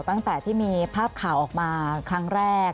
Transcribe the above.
ตั้งแต่ที่มีภาพข่าวออกมาครั้งแรก